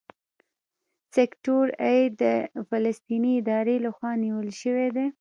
سیکټور اې د فلسطیني ادارې لخوا نیول شوی دی.